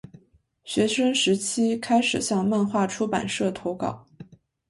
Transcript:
学生时期开始向漫画出版社投稿。